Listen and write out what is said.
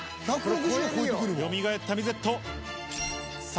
よみがえったミゼット。